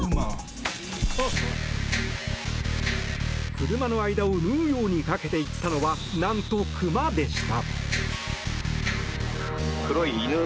車の間を縫うように駆けていったのは何と、クマでした。